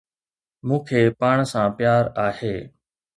مون کي پاڻ سان پيار آهي